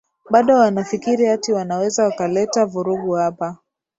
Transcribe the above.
bado wanafikiri ati wanaweza wakaleta vurugu hapa